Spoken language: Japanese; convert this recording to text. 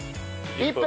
１分。